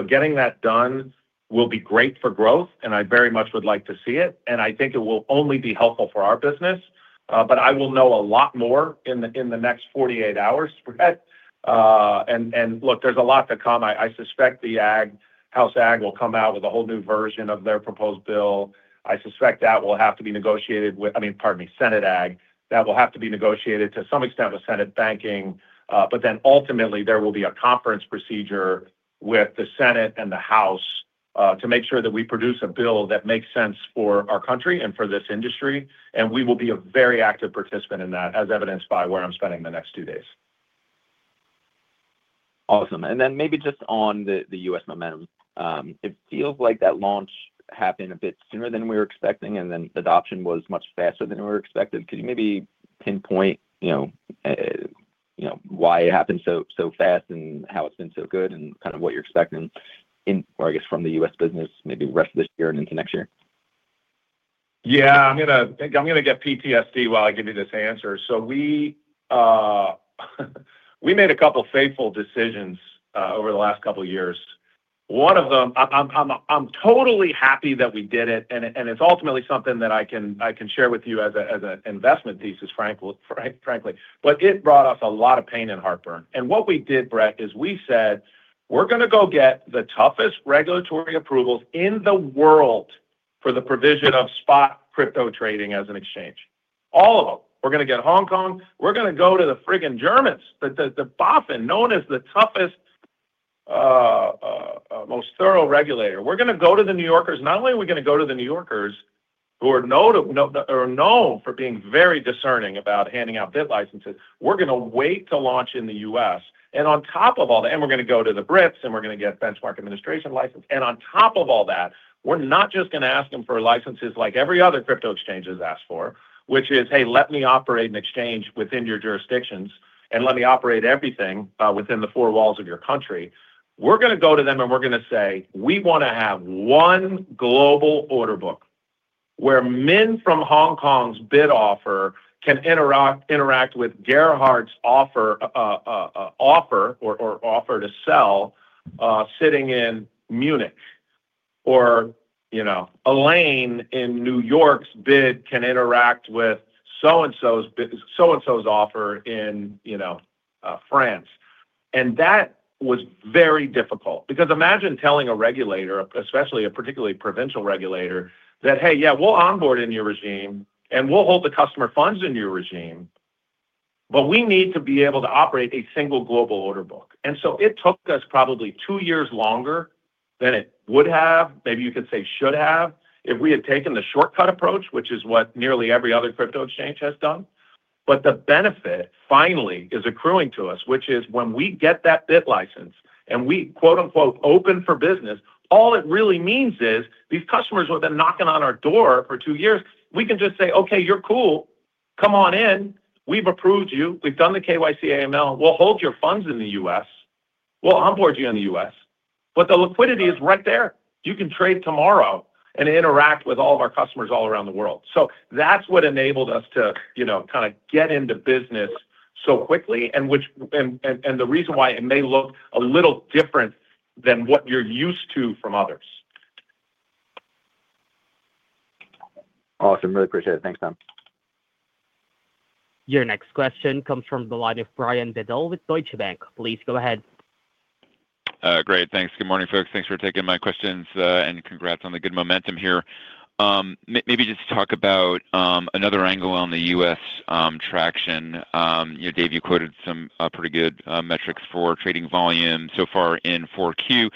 Getting that done will be great for growth, and I very much would like to see it. I think it will only be helpful for our business. I will know a lot more in the next 48 hours, Brett. Look, there's a lot to come. I suspect the House Ag will come out with a whole new version of their proposed bill. I suspect that will have to be negotiated with, I mean, pardon me, Senate Ag. That will have to be negotiated to some extent with Senate Banking. Ultimately, there will be a conference procedure with the Senate and the House to make sure that we produce a bill that makes sense for our country and for this industry. We will be a very active participant in that, as evidenced by where I'm spending the next two days. Awesome. Maybe just on the US momentum, it feels like that launch happened a bit sooner than we were expecting, and then adoption was much faster than we were expected. Could you maybe pinpoint why it happened so fast and how it's been so good and kind of what you're expecting, or I guess from the U.S. business, maybe the rest of this year and into next year? Yeah. I'm going to get PTSD while I give you this answer. We made a couple of fateful decisions over the last couple of years. One of them, I'm totally happy that we did it, and it's ultimately something that I can share with you as an investment thesis, frankly, but it brought us a lot of pain and heartburn. What we did, Brett, is we said, "We're going to go get the toughest regulatory approvals in the world for the provision of spot crypto trading as an exchange. All of them. We're going to get Hong Kong. We're going to go to the frigging Germans, the BaFin, known as the toughest, most thorough regulator. We're going to go to the New Yorkers. Not only are we going to go to the New Yorkers, who are known for being very discerning about handing out BIT licenses, we're going to wait to launch in the U.S. On top of all that, we're going to go to the Brits, and we're going to get benchmark administration license. On top of all that, we're not just going to ask them for licenses like every other crypto exchange has asked for, which is, "Hey, let me operate an exchange within your jurisdictions, and let me operate everything within the four walls of your country." We're going to go to them, and we're going to say, "We want to have one global order book where men from Hong Kong's BIT offer can interact with Gerhard's offer or offer to sell sitting in Munich, or Elaine in New York's BIT can interact with so-and-so's offer in France." That was very difficult because imagine telling a regulator, especially a particularly provincial regulator, that, "Hey, yeah, we'll onboard in your regime, and we'll hold the customer funds in your regime, but we need to be able to operate a single global order book." It took us probably two years longer than it would have, maybe you could say should have, if we had taken the shortcut approach, which is what nearly every other crypto exchange has done. The benefit finally is accruing to us, which is when we get that BIT license and we "open for business," all it really means is these customers who have been knocking on our door for two years, we can just say, "Okay, you're cool. Come on in. We've approved you. We've done the KYC/AML. We'll hold your funds in the U.S. We'll onboard you in the U.S." The liquidity is right there. You can trade tomorrow and interact with all of our customers all around the world. That is what enabled us to kind of get into business so quickly, and the reason why it may look a little different than what you're used to from others. Awesome. Really appreciate it. Thanks, Tom. Your next question comes from the line of Brian Bedell with Deutsche Bank. Please go ahead. Great. Thanks. Good morning, folks. Thanks for taking my questions, and congrats on the good momentum here. Maybe just to talk about another angle on the U.S. traction. Dave, you quoted some pretty good metrics for trading volume so far in Q4.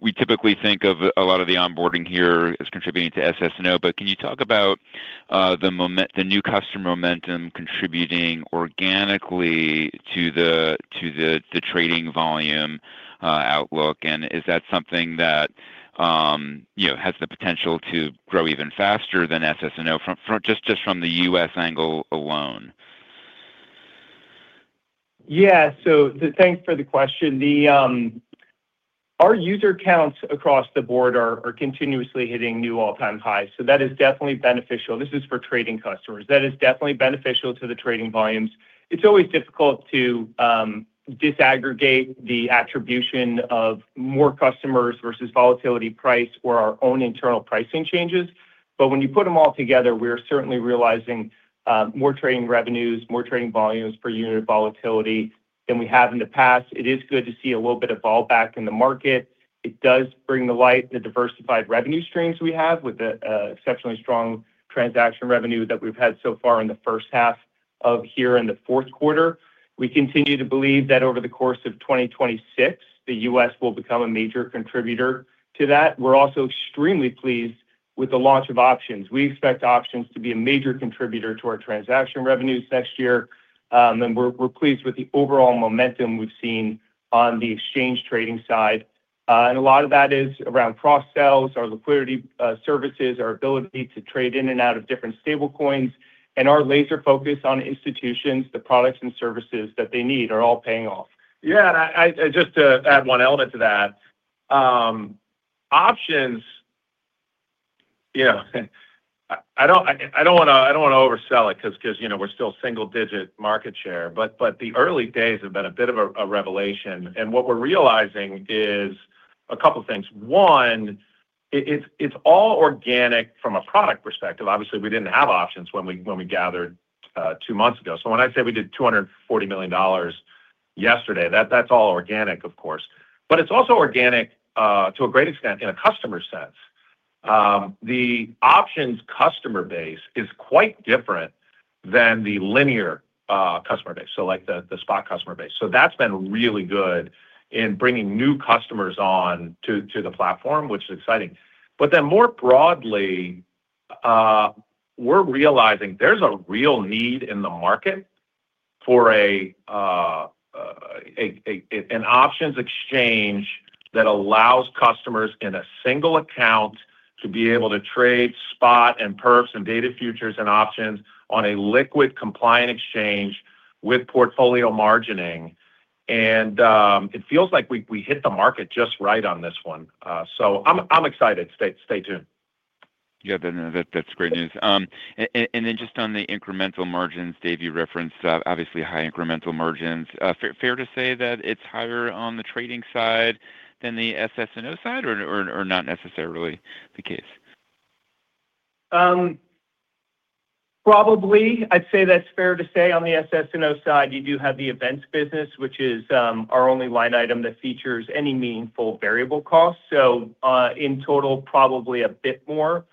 We typically think of a lot of the onboarding here as contributing to SS&O, but can you talk about the new customer momentum contributing organically to the trading volume outlook? Is that something that has the potential to grow even faster than SS&O, just from the U.S. angle alone? Yeah. Thanks for the question. Our user counts across the board are continuously hitting new all-time highs. That is definitely beneficial. This is for trading customers. That is definitely beneficial to the trading volumes. It's always difficult to disaggregate the attribution of more customers versus volatility price or our own internal pricing changes. When you put them all together, we are certainly realizing more trading revenues, more trading volumes per unit of volatility than we have in the past. It is good to see a little bit of fallback in the market. It does bring to light the diversified revenue streams we have with the exceptionally strong transaction revenue that we've had so far in the first half of here in the fourth quarter. We continue to believe that over the course of 2026, the U.S. will become a major contributor to that. We're also extremely pleased with the launch of options. We expect options to be a major contributor to our transaction revenues next year. We're pleased with the overall momentum we've seen on the exchange trading side. A lot of that is around cross-sells, our liquidity services, our ability to trade in and out of different stablecoins, and our laser focus on institutions. The products and services that they need are all paying off. Yeah. Just to add one element to that, options, I do not want to oversell it because we are still single-digit market share, but the early days have been a bit of a revelation. What we are realizing is a couple of things. One, it is all organic from a product perspective. Obviously, we did not have options when we gathered two months ago. When I say we did $240 million yesterday, that is all organic, of course. It is also organic to a great extent in a customer sense. The options customer base is quite different than the linear customer base, so like the spot customer base. That's been really good in bringing new customers on to the platform, which is exciting. More broadly, we're realizing there's a real need in the market for an options exchange that allows customers in a single account to be able to trade spot and perps and data futures and options on a liquid compliant exchange with portfolio margining. It feels like we hit the market just right on this one. I'm excited. Stay tuned. Yeah. That's great news. Just on the incremental margins, Dave, you referenced obviously high incremental margins. Fair to say that it's higher on the trading side than the SS&O side or not necessarily the case? Probably. I'd say that's fair to say. On the SS&O side, you do have the events business, which is our only line item that features any meaningful variable costs. In total, probably a bit more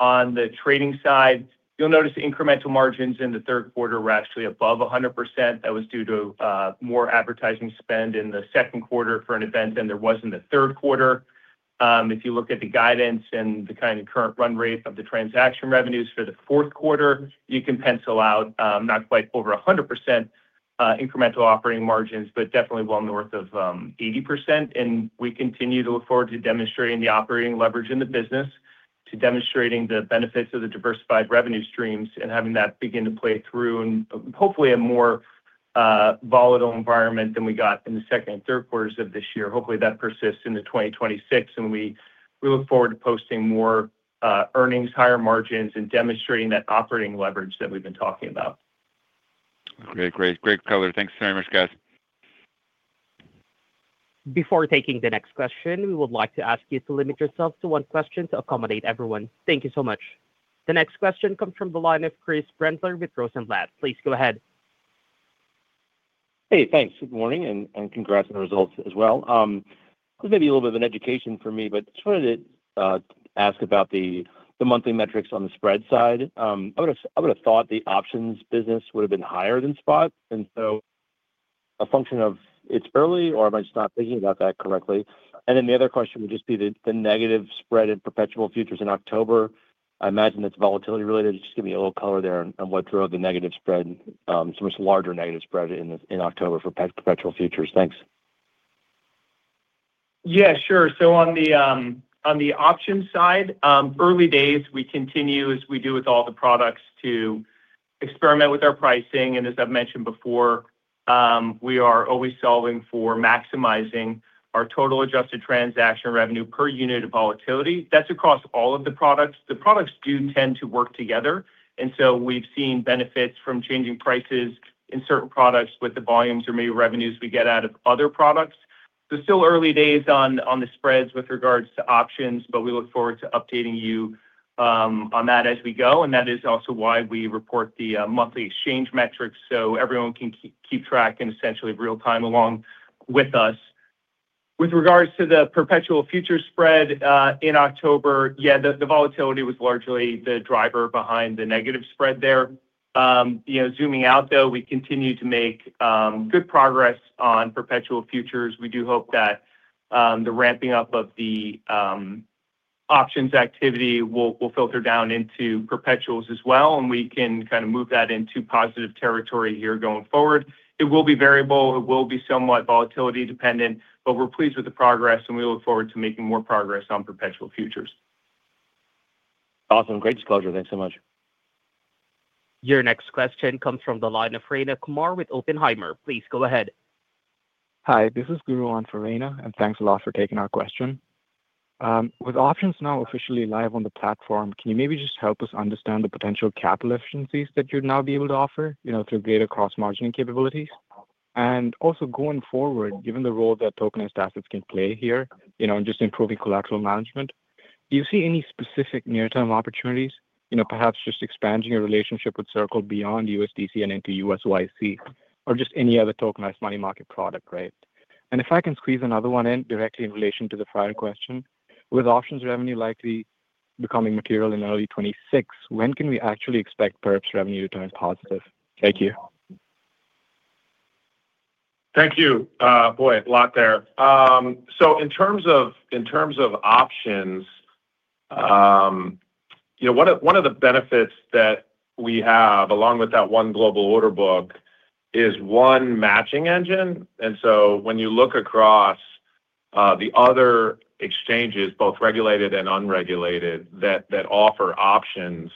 on the trading side. You'll notice incremental margins in the third quarter were actually above 100%. That was due to more advertising spend in the second quarter for an event than there was in the third quarter. If you look at the guidance and the kind of current run rate of the transaction revenues for the fourth quarter, you can pencil out not quite over 100% incremental operating margins, but definitely well north of 80%. We continue to look forward to demonstrating the operating leverage in the business, to demonstrating the benefits of the diversified revenue streams and having that begin to play through in hopefully a more volatile environment than we got in the second and third quarters of this year. Hopefully, that persists into 2026. We look forward to posting more earnings, higher margins, and demonstrating that operating leverage that we have been talking about. Okay. Great. Great, Keller. Thanks very much, guys. Before taking the next question, we would like to ask you to limit yourself to one question to accommodate everyone. Thank you so much. The next question comes from the line of Chris Brendler with Rosenblatt. Please go ahead. Hey, thanks. Good morning. And congrats on the results as well. This may be a little bit of an education for me, but I just wanted to ask about the monthly metrics on the spread side. I would have thought the options business would have been higher than spot. Is that a function of it being early, or am I just not thinking about that correctly? The other question would just be the negative spread in perpetual futures in October. I imagine that's volatility related. Just give me a little color there on what drove the negative spread, some larger negative spread in October for perpetual futures. Thanks. Yeah, sure. On the options side, early days, we continue as we do with all the products to experiment with our pricing. As I've mentioned before, we are always solving for maximizing our total adjusted transaction revenue per unit of volatility. That's across all of the products. The products do tend to work together. We have seen benefits from changing prices in certain products with the volumes or maybe revenues we get out of other products. Still early days on the spreads with regards to options, but we look forward to updating you on that as we go. That is also why we report the monthly exchange metrics so everyone can keep track in essentially real time along with us. With regards to the perpetual futures spread in October, yeah, the volatility was largely the driver behind the negative spread there. Zooming out, though, we continue to make good progress on perpetual futures. We do hope that the ramping up of the options activity will filter down into perpetuals as well, and we can kind of move that into positive territory here going forward. It will be variable. It will be somewhat volatility dependent, but we're pleased with the progress, and we look forward to making more progress on perpetual futures. Awesome. Great disclosure. Thanks so much. Your next question comes from the line of Rayna Kumar with Oppenheimer. Please go ahead. Hi. This is Guruwan Farinah, and thanks a lot for taking our question. With options now officially live on the platform, can you maybe just help us understand the potential capital efficiencies that you'd now be able to offer through greater cross-margining capabilities? Also, going forward, given the role that tokenized assets can play here in just improving collateral management, do you see any specific near-term opportunities, perhaps just expanding your relationship with Circle beyond USDC and into USYC, or just any other tokenized money market product, right? If I can squeeze another one in directly in relation to the prior question, with options revenue likely becoming material in early 2026, when can we actually expect perps revenue to turn positive? Thank you. Thank you. Boy, a lot there. In terms of options, one of the benefits that we have, along with that one global order book, is one matching engine. When you look across the other exchanges, both regulated and unregulated, that offer options,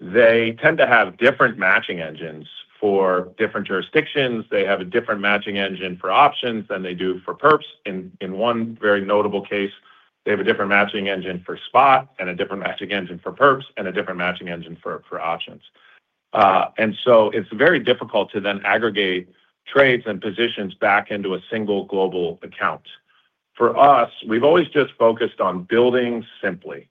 they tend to have different matching engines for different jurisdictions. They have a different matching engine for options than they do for perps. In one very notable case, they have a different matching engine for spot and a different matching engine for perps and a different matching engine for options. It is very difficult to then aggregate trades and positions back into a single global account. For us, we have always just focused on building simply.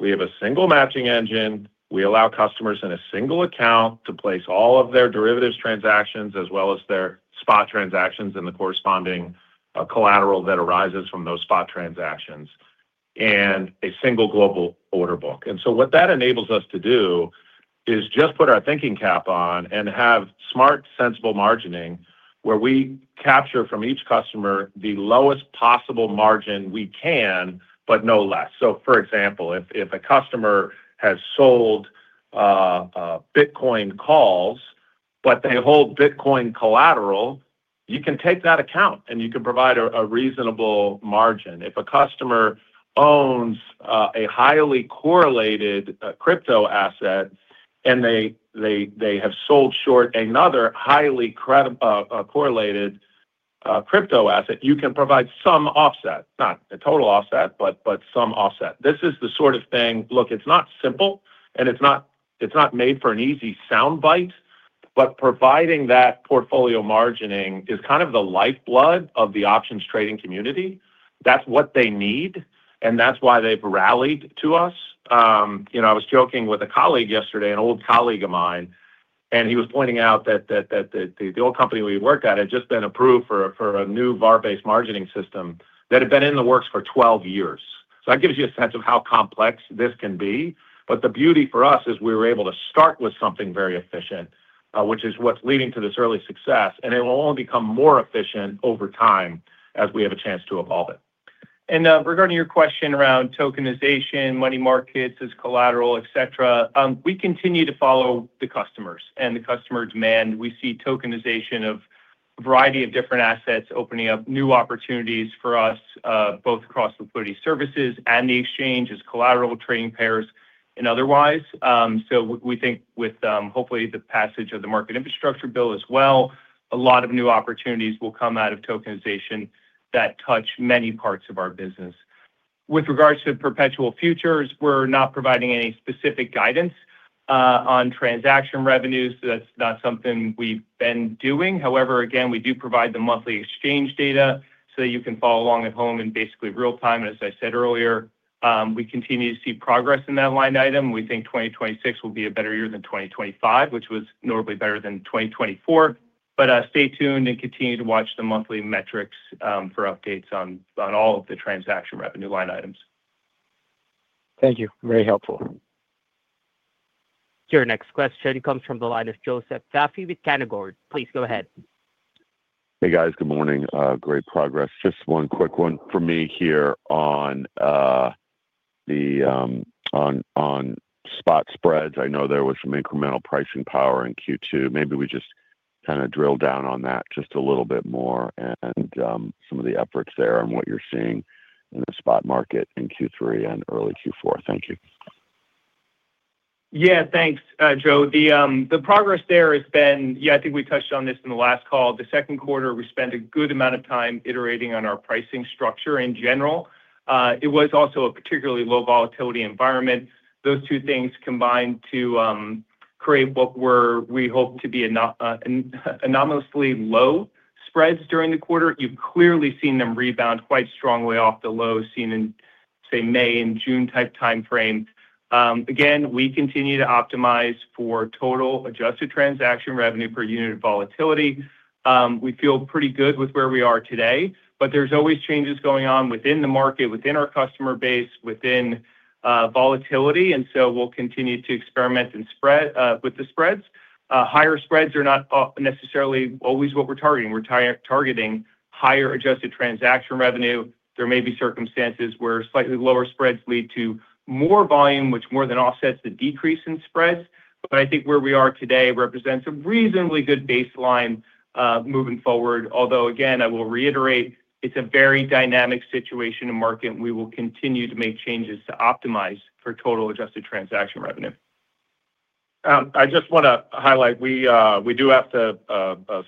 We have a single matching engine. We allow customers in a single account to place all of their derivatives transactions as well as their spot transactions and the corresponding collateral that arises from those spot transactions in a single global order book. What that enables us to do is just put our thinking cap on and have smart, sensible margining where we capture from each customer the lowest possible margin we can, but no less. For example, if a customer has sold Bitcoin calls, but they hold Bitcoin collateral, you can take that account and you can provide a reasonable margin. If a customer owns a highly correlated crypto asset and they have sold short another highly correlated crypto asset, you can provide some offset, not a total offset, but some offset. This is the sort of thing, look, it's not simple and it's not made for an easy soundbite, but providing that portfolio margining is kind of the lifeblood of the options trading community. That's what they need, and that's why they've rallied to us. I was joking with a colleague yesterday, an old colleague of mine, and he was pointing out that the old company we worked at had just been approved for a new VaR-based margining system that had been in the works for 12 years. That gives you a sense of how complex this can be. The beauty for us is we were able to start with something very efficient, which is what's leading to this early success. It will only become more efficient over time as we have a chance to evolve it. Regarding your question around tokenization, money markets as collateral, etc., we continue to follow the customers and the customer demand. We see tokenization of a variety of different assets opening up new opportunities for us, both across liquidity services and the exchange as collateral trading pairs and otherwise. We think with hopefully the passage of the market infrastructure bill as well, a lot of new opportunities will come out of tokenization that touch many parts of our business. With regards to perpetual futures, we're not providing any specific guidance on transaction revenues. That's not something we've been doing. However, again, we do provide the monthly exchange data so that you can follow along at home in basically real time. As I said earlier, we continue to see progress in that line item. We think 2026 will be a better year than 2025, which was notably better than 2024. Stay tuned and continue to watch the monthly metrics for updates on all of the transaction revenue line items. Thank you. Very helpful. Your next question comes from the line of Joseph Vafi with Canaccord. Please go ahead. Hey, guys. Good morning. Great progress. Just one quick one for me here on spot spreads. I know there was some incremental pricing power in Q2. Maybe we just kind of drill down on that just a little bit more and some of the efforts there and what you're seeing in the spot market in Q3 and early Q4. Thank you. Yeah. Thanks, Joe. The progress there has been, yeah, I think we touched on this in the last call. The second quarter, we spent a good amount of time iterating on our pricing structure in general. It was also a particularly low volatility environment. Those two things combined to create what we hope to be anomalously low spreads during the quarter. You've clearly seen them rebound quite strongly off the lows seen in, say, May and June type timeframe. Again, we continue to optimize for total adjusted transaction revenue per unit of volatility. We feel pretty good with where we are today, but there's always changes going on within the market, within our customer base, within volatility. We will continue to experiment with the spreads. Higher spreads are not necessarily always what we're targeting. We're targeting higher adjusted transaction revenue. There may be circumstances where slightly lower spreads lead to more volume, which more than offsets the decrease in spreads. I think where we are today represents a reasonably good baseline moving forward. Although, again, I will reiterate, it's a very dynamic situation in market, and we will continue to make changes to optimize for total adjusted transaction revenue. I just want to highlight we do have to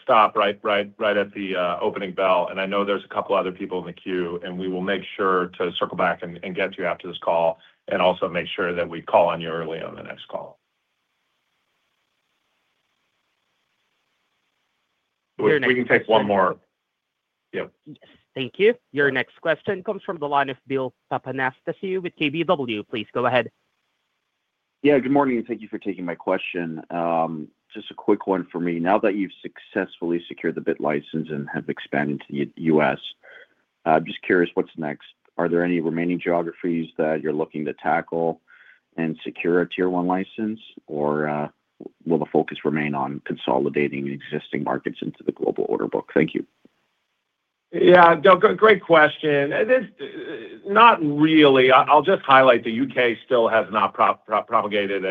stop right at the opening bell. I know there's a couple of other people in the queue, and we will make sure to circle back and get to you after this call and also make sure that we call on you early on the next call. We can take one more. Thank you. Your next question comes from the line of Bill Papanastasiou with KBW. Please go ahead. Yeah. Good morning. Thank you for taking my question. Just a quick one for me. Now that you've successfully secured the BIT license and have expanded to the U.S., I'm just curious, what's next? Are there any remaining geographies that you're looking to tackle and secure a tier one license, or will the focus remain on consolidating existing markets into the global order book? Thank you. Yeah. Great question. Not really. I'll just highlight the U.K. still has not propagated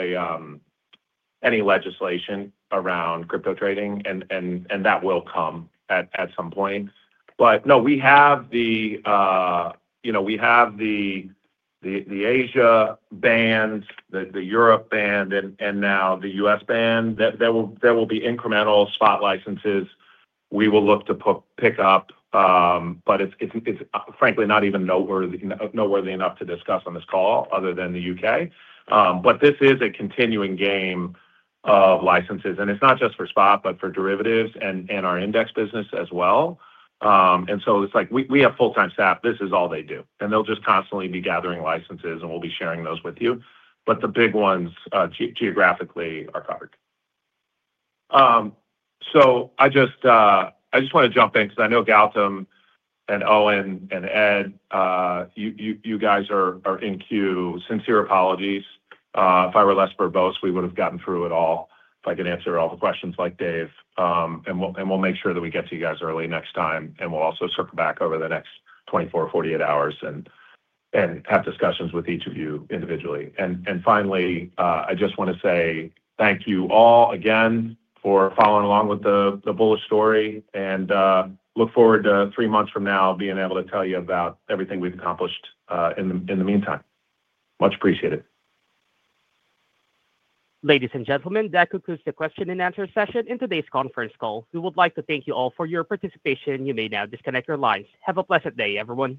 any legislation around crypto trading, and that will come at some point. No, we have the Asia band, the Europe band, and now the U.S. band. There will be incremental spot licenses we will look to pick up, but it's frankly not even noteworthy enough to discuss on this call other than the U.K. This is a continuing game of licenses. It's not just for spot, but for derivatives and our index business as well. It's like we have full-time staff. This is all they do. They'll just constantly be gathering licenses, and we'll be sharing those with you. The big ones geographically are covered. I just want to jump in because I know Gautam and Owen and Ed, you guys are in queue. Sincere apologies. If I were less verbose, we would have gotten through it all if I could answer all the questions like Dave. We will make sure that we get to you guys early next time. We will also circle back over the next 24-48 hours and have discussions with each of you individually. Finally, I just want to say thank you all again for following along with the Bullish story and look forward to three months from now being able to tell you about everything we have accomplished in the meantime. Much appreciated. Ladies and gentlemen, that concludes the question and answer session in today's conference call. We would like to thank you all for your participation. You may now disconnect your lines. Have a pleasant day, everyone.